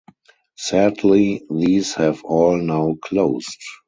Sadly these have all now closed.